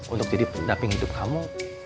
untuk jadi pendamping hidup kamu